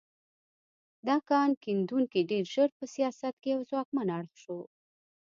دا کان کیندونکي ډېر ژر په سیاست کې یو ځواکمن اړخ شو.